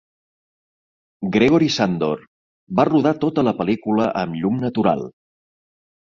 Gregory Sandor va rodar tota la pel·lícula amb llum natural.